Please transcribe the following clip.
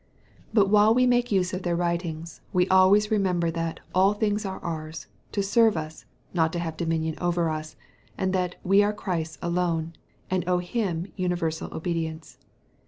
But while we make use of their writings, we always remember that "all things are ours," to serve us, not to have dominion over us, and that "we are Christ's" alone, and owe him universal obedience.